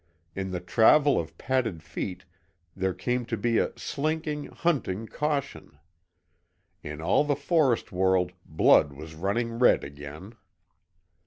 In the travel of padded feet there came to be a slinking, hunting caution. In all the forest world blood was running red again.